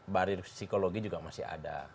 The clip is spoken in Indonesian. bari psikologi juga masih ada